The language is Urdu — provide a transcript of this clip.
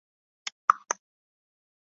سب پوچھیں تھے احوال جو کوئی درد کا مارا گزرے تھا